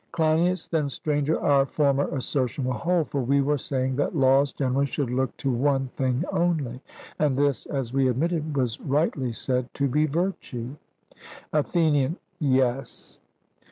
CLEINIAS: Then, Stranger, our former assertion will hold; for we were saying that laws generally should look to one thing only; and this, as we admitted, was rightly said to be virtue. ATHENIAN: Yes.